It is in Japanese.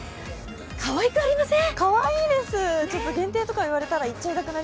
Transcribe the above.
かわいくありません？